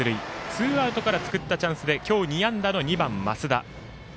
ツーアウトから作ったチャンスで今日２安打の２番、増田。